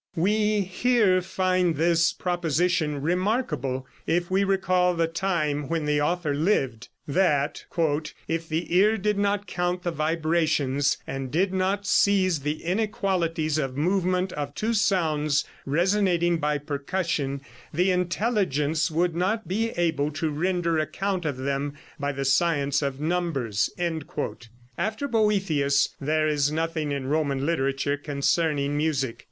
We here find this proposition, remarkable if we recall the time when the author lived, that: "If the ear did not count the vibrations, and did not seize the inequalities of movement of two sounds resonating by percussion, the intelligence would not be able to render account of them by the science of numbers." After Boethius there is nothing in Roman literature concerning music.